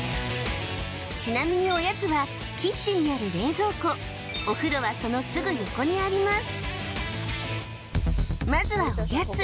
ちなみにおやつはキッチンにある冷蔵庫お風呂はそのすぐ横にあります